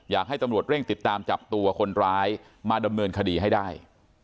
อยากให้ตำรวจเร่งติดตามจับตัวคนร้ายมาดำเนินคดีให้ได้